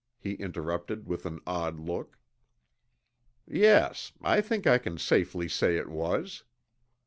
he interrupted with an odd look. "Yes, I think I can safely say it was."